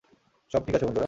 সব ঠিক আছে বন্ধুরা।